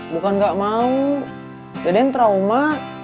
bukan gak mau deden trauma